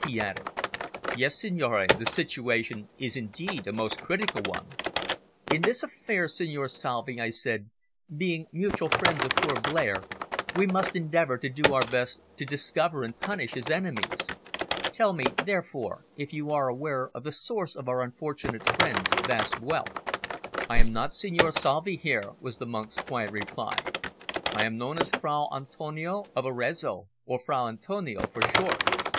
he added. "Yes, signore, the situation is indeed a most critical one." "In this affair, Signor Salvi," I said, "being mutual friends of poor Blair, we must endeavour to do our best to discover and punish his enemies. Tell me, therefore, if you are aware of the source of our unfortunate friend's vast wealth?" "I am not Signor Salvi here," was the monk's quiet reply. "I am known as Fra Antonio of Arezzo, or Fra Antonio for short.